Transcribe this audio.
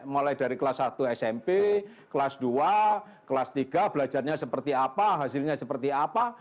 mulai dari kelas satu smp kelas dua kelas tiga belajarnya seperti apa hasilnya seperti apa